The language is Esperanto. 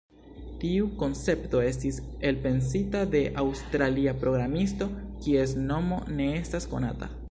Tiu koncepto estis elpensita de aŭstralia programisto, kies nomo ne estas konata.